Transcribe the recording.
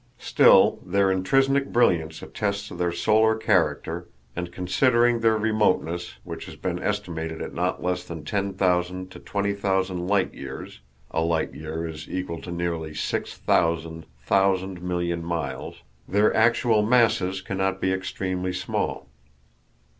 Still, their intrinsic brilliance attests their solar character, and considering their remoteness, which has been estimated at not less than ten thousand to twenty thousand light years (a light year is equal to nearly six thousand thousand million miles) their actual masses cannot be extremely small.